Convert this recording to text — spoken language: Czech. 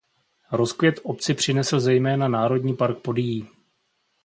Rozkvět obci přinesl zejména Národní park Podyjí.